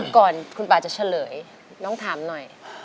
ก่อนคุณป่าจะเฉลยน้องถามหน่อย